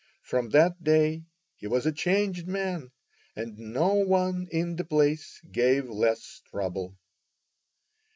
From that day he was a changed man, and no one in the place gave less trouble.